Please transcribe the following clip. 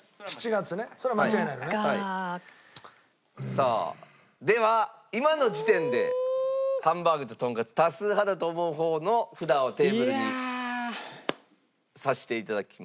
さあでは今の時点でハンバーグととんかつ多数派だと思う方の札をテーブルに挿して頂きましょう。